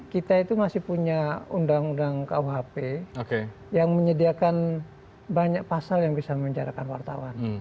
kita itu masih punya undang undang kuhp yang menyediakan banyak pasal yang bisa menjarakan wartawan